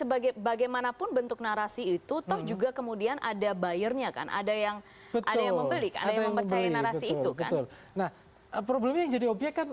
semakin banyak bagaimanapun bentuk narasi itu toh juga kemudian ada buyer nya kan ada yang ada membeli nah yang mempercaya narasi itu kan